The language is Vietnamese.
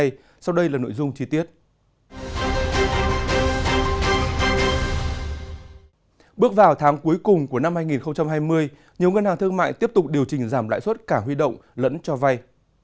trong năm cuối cùng của năm hai nghìn hai mươi nhiều ngân hàng thương mại tiếp tục điều trình giảm lãi suất cả huy động lẫn cho vay